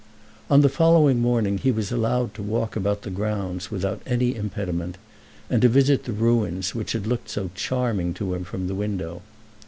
On the following morning he was allowed to walk about the grounds without any impediment, and to visit the ruins which had looked so charming to him from the window.